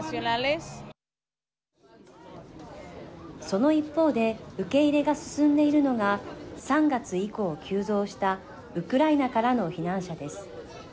その一方で受け入れが進んでいるのが３月以降急増したウクライナからの避難者です。